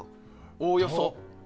おおよそ。